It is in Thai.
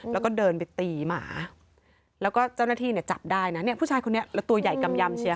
แล้วก็เดินไปตีหมาแล้วก็เจ้าหน้าที่เนี่ยจับได้นะเนี่ยผู้ชายคนนี้แล้วตัวใหญ่กำยำเชียว